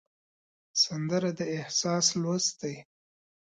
سندره د احساس لوست دی